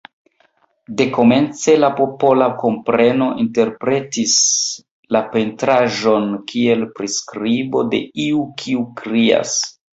Dekomence la popola kompreno interpretis la pentraĵon kiel priskribo de iu kiu krias.